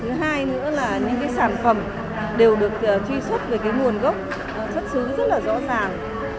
thứ hai nữa là những sản phẩm đều được truy xuất về nguồn gốc xuất xứ rất rõ ràng